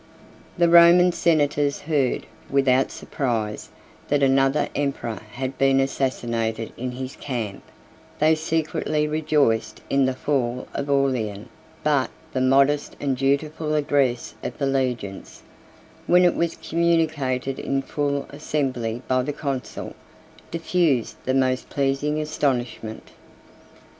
1 The Roman senators heard, without surprise, that another emperor had been assassinated in his camp; they secretly rejoiced in the fall of Aurelian; but the modest and dutiful address of the legions, when it was communicated in full assembly by the consul, diffused the most pleasing astonishment.